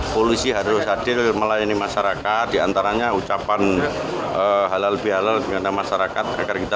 polisi harus hadir melayani masyarakat diantaranya ucapan halal bihalal di mana masyarakat agar kita